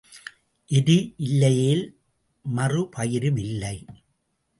எரு இல்லையேல் மறு பயிரும் இல்லை.